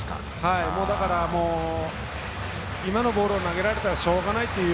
だから今のボールを投げられたらしょうがない。